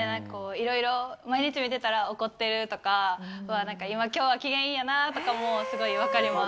いろいろ毎日見てたら、怒ってるとかきょうは機嫌がいいんやなとかもすごい分かります。